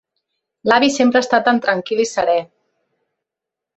L'avi sempre està tan tranquil i serè.